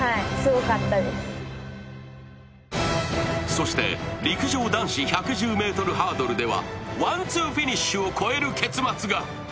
そして陸上男子１１０ｍハードルではワンツーフィニッシュを超える結末が。